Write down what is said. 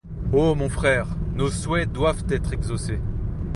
Ô mon frère! nos souhaits doivent être exaucés.